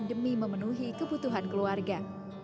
demi memenuhi kebutuhan keluarga